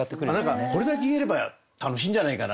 何かこれだけ言えれば楽しいんじゃないかな。